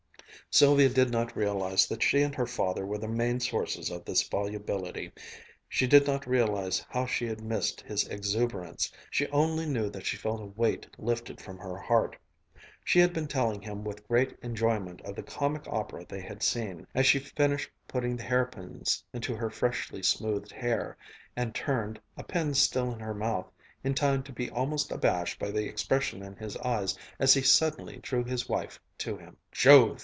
Sylvia did not realize that she and her father were the main sources of this volubility, she did not realize how she had missed his exuberance, she only knew that she felt a weight lifted from her heart. She had been telling him with great enjoyment of the comic opera they had seen, as she finished putting the hairpins into her freshly smoothed hair, and turned, a pin still in her mouth, in time to be almost abashed by the expression in his eyes as he suddenly drew his wife to him. "Jove!